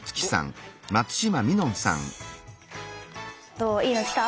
どういいの来た？